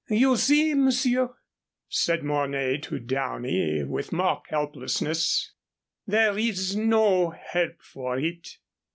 "You see, monsieur," said Mornay to Downey, with mock helplessness, "there is no help for it."